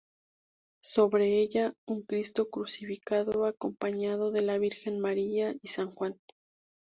Sobre ella, un Cristo crucificado acompañado de la Virgen María y San Juan.